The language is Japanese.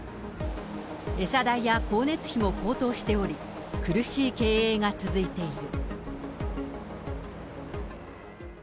餌代や光熱費も高騰しており、苦しい経営が続いている。